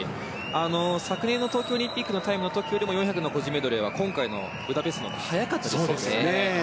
昨年の東京オリンピックのタイムの時よりも４００の個人メドレーは今回のブダペストのほうが速かったですね。